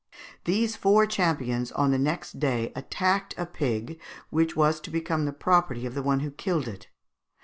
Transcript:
These four champions on the next day attacked a pig, which was to become the property of the one who killed it.